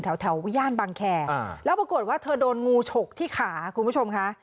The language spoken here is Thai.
แถวย่านบางแคร์แล้วปรากฏว่าเธอโดนงูฉกที่ขาคุณผู้ชมค่ะ